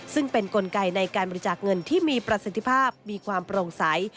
ซึ่งเป็นกลไกในการบริจาคเงินที่มีประสิทธิภาพมีความโปร่งใส